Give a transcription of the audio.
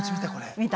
見た。